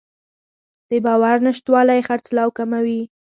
د باور نشتوالی خرڅلاو کموي.